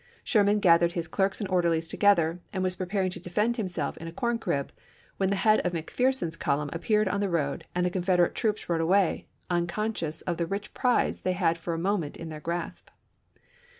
Sherman gathered his clerks and orderlies together and was preparing to defend himself in a corn crib, when the head of McPherson's column appeared on the road 'ofG^Si and the Confederate troops rode away, unconscious shCTiJan." of the rich prize they had had for a moment in their pp. 39b, 391. grasp.